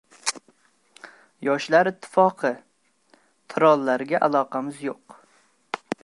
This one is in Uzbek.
Yoshlar Ittifoqi: Trollarga aloqamiz yo‘q